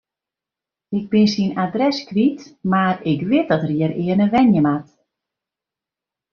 Ik bin syn adres kwyt, mar ik wit dat er hjirearne wenje moat.